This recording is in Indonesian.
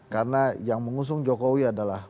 karena yang mengusung jokowi adalah